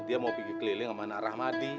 dia mau pergi keliling sama nak ramadi